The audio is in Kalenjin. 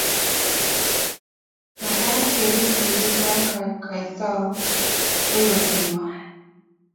mekat kerib sigik ya kaitou ko yosinyo